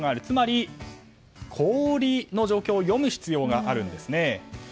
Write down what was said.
つまり氷の状況を読む必要があるんです。